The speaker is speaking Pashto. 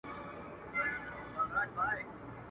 د نارنج د ګلو لاړ دي پر کاکل درته لیکمه !.